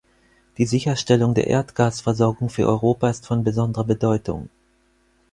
Die Sicherstellung der Erdgasversorgung für Europa ist von besonderer Bedeutung.